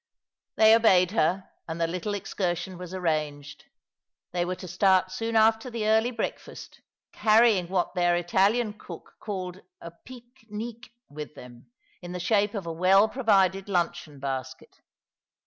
They obeyed her, and the little excursion was arranged. They were to start soon after the early breakfast, carrying what their Italian cook called a pique niqne with them, in the shape of a well provided luncheon basket.